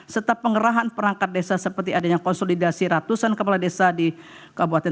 serta pengerahan perangkat desa seperti adanya konsolidasi ratusan kepala desa di kabupaten